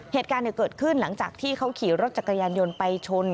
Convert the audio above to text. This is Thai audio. เหตุการณ์เกิดขึ้นหลังจากที่เขาขี่รถจักรยานยนต์ไปชน